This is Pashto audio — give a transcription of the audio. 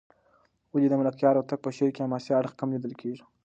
ولې د ملکیار هوتک په شعر کې حماسي اړخ کم لېدل کېږي؟